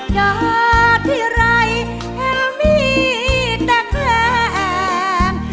จะที่ไรแฮลมีแต่แคล้ง